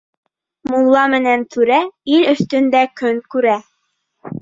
Мулла менән түрә ил өҫтөндә көн күрә.